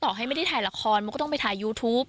ให้ไม่ได้ถ่ายละครมันก็ต้องไปถ่ายยูทูป